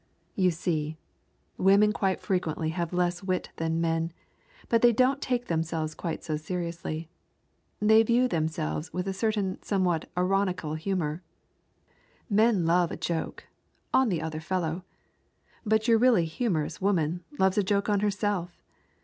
You see, women quite frequently have less wit than men, but they don't take themselves quite so seriously; they view themselves with a certain somewhat ironical humor. Men love a joke on the other fellow. But your really humorous woman loves a joke on herself.